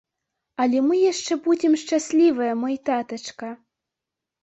Але мы яшчэ будзем шчаслівыя, мой татачка!